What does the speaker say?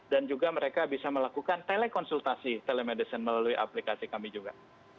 juga mereka bisa melakukan telekonsultasi telemedicine melalui aplikasi kami juga